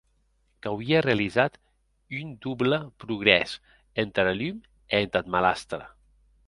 Qu’auie realizat un doble progrès entara lum e entath malastre.